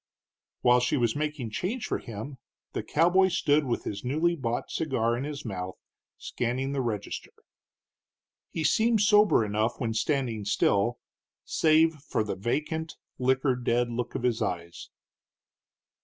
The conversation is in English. While she was making change for him, the cowboy stood with his newly bought cigar in his mouth, scanning the register. He seemed sober enough when standing still, save for the vacant, liquor dead look of his eyes.